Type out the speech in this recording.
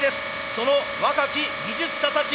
その若き技術者たち。